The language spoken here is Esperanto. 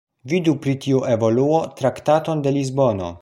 Vidu pri tiu evoluo Traktaton de Lisbono.